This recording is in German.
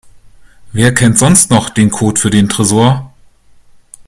Wer kennt sonst noch den Code für den Tresor?